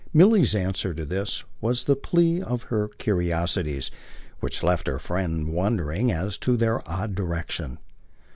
Milly's answer to this was the plea of her curiosities which left her friend wondering as to their odd direction.